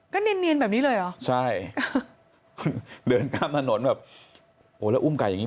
ก็เนียนแบบนี้เลยเหรอใช่เดินตามถนนแบบโอ้แล้วอุ้มไก่อย่างง